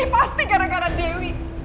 pasti gara gara dewi